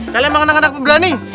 kalian emang anak anak berani